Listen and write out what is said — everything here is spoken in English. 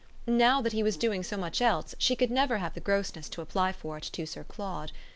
Now that he was doing so much else she could never have the grossness to apply for it to Sir Claude.